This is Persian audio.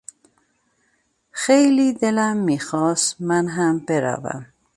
خیلی دلم میخواست من هم بروم.